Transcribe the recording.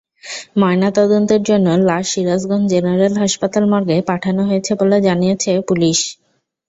ময়নাতদন্তের জন্য লাশ সিরাজগঞ্জ জেনারেল হাসপাতাল মর্গে পাঠানো হয়েছে বলে জানিয়েছে পুলিশ।